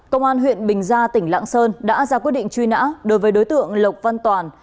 công an huyện bình gia tỉnh lạng sơn đã ra quyết định truy nã đối với đối tượng lộc văn toàn